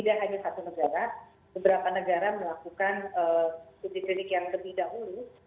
tidak hanya satu negara beberapa negara melakukan uji klinik yang lebih dahulu